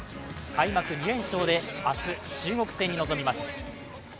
開幕２連勝で明日、中国戦に臨みます。